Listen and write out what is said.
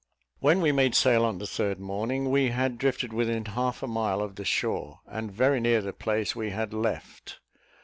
When we made sail on the third morning, we had drifted within half a mile of the shore, and very near the place we had left.